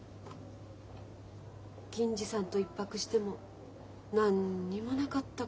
銀次さんと１泊しても何にもなかったこの私。